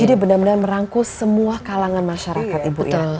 jadi benar benar merangkul semua kalangan masyarakat ibu